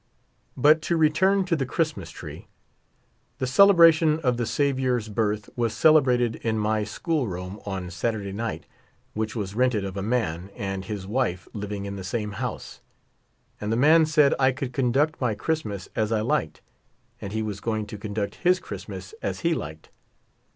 But to return to the Christmas tree. The celebration of the Saviour's birth was celebrated in ray school room on Saturda}^ night, which was rented of a man and his wife living in the same house ; and the man said I could conduct my Christmas as I liked, and he was going to conduct his Christmas as he liked.